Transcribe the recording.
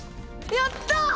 やった！